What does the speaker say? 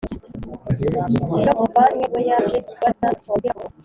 Iyo muvandimwe we yaje Kabarisa ntitwongera ku mubona